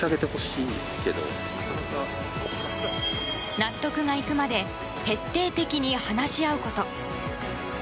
納得がいくまで徹底的に話し合うこと。